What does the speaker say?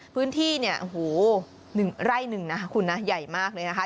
พื้นที่เนี่ยโอ้โห๑ไร่หนึ่งนะคุณนะใหญ่มากเลยนะคะ